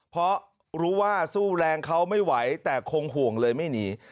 เพราะรู้ว่าสู้แรงเขาไม่ไหวแต่คงห่วงเลยไม่หนี